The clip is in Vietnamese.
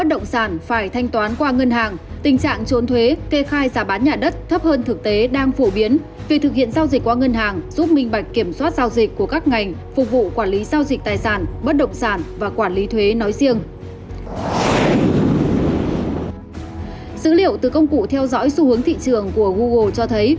dữ liệu từ công cụ theo dõi xu hướng thị trường của google cho thấy